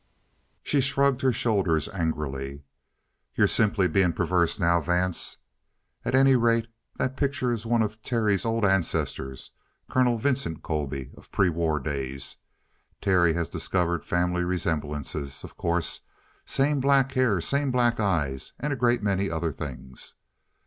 She shrugged her shoulders angrily. "You're simply being perverse now, Vance. At any rate, that picture is one of Terry's old 'ancestors,' Colonel Vincent Colby, of prewar days. Terry has discovered family resemblances, of course same black hair, same black eyes, and a great many other things."